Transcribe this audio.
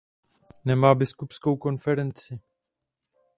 Nemá biskupskou konferenci.